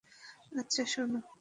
আচ্ছা, শুনো!